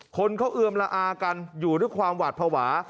คนเขาเอือมละอากันอยู่ด้วยความหวาดภาวะ